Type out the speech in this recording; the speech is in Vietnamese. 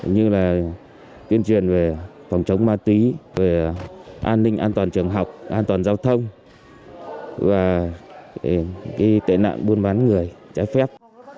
như là tuyên truyền về phòng chống ma túy về an ninh an toàn trường học an toàn giao thông và tệ nạn buôn bán người trái phép